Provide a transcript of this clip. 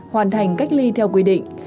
hoàn thành cách ly theo quy định